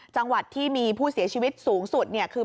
จังหวัดที่มีผู้เสียชีวิตสูงสุดคือ